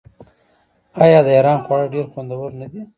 آیا د ایران خواړه ډیر خوندور نه دي؟